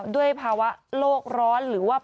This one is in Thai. ด้วยภาวะโตโรคร้อน